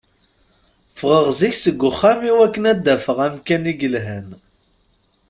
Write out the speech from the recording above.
Ffɣeɣ zik seg uxxam i wakken ad d-afeɣ amkan i yelhan.